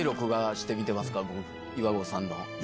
岩合さんの。